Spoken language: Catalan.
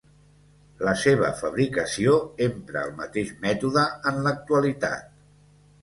La seva fabricació empra el mateix mètode en l'actualitat.